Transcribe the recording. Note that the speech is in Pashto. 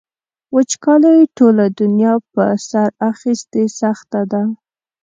وچکالۍ ټوله دنیا په سر اخیستې سخته ده.